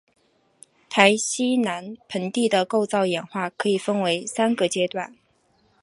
台西南盆地的构造演化可以分为三个阶段。